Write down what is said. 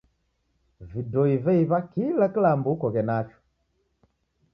Vidoi veiw'a kila kilambo okoghe nacho.